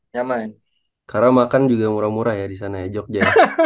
nyaman karena makan juga murah murah ya di sana ya jogja